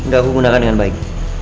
gak aku gunakan dengan baik